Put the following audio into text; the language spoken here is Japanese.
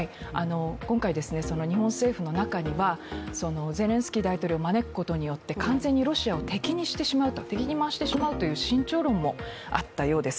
今回、日本政府の中には、ゼレンスキー大統領を招くことによって完全にロシアを敵に回してしまうという慎重論もあったようです。